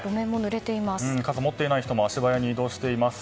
傘、持っていない人も足早に移動しています。